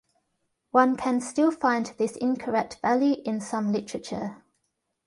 One can still find this incorrect value in some literature.